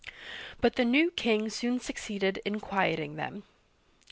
But the new king soon succeeded in quieting them.